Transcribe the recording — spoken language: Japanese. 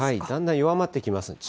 だんだん弱まってきます。